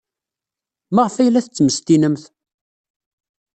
Maɣef ay la t-tettmestinemt?